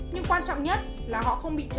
nhưng quan trọng nhất là họ không bị nhiễm